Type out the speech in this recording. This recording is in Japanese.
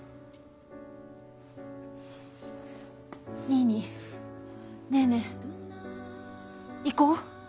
ニーニーネーネー行こう。